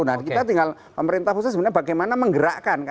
nah kita tinggal pemerintah khusus sebenarnya bagaimana menggerakkan